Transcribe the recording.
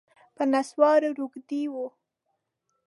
په نسوارو روږدی و